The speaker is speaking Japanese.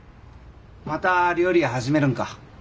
また料理屋始めるんか？